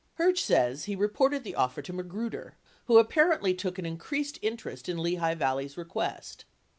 Herge says he reported the offer to Magruder, who apparently took an increased interest in Lehigh Valley's request.